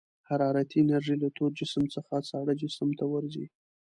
حرارتي انرژي له تود جسم څخه ساړه جسم ته ورځي.